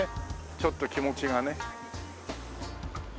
ちょっと気持ちがね。